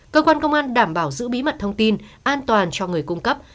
cơ quan công an đảm bảo giữ bí mật thông tin an toàn cho người cung cấp